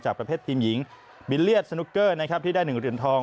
ประเภททีมหญิงบิลเลียสสนุกเกอร์นะครับที่ได้๑เหรียญทอง